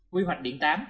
quy hoạch điện tám